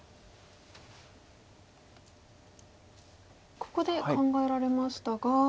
ここで考えられましたが。